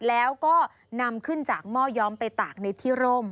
แล้วก็นำขึ้นจากหม้อย้อมไปตากในที่ร่ม